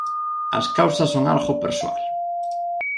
As causas son algo persoal.